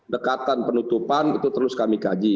dekatan penutupan itu terus kami kaji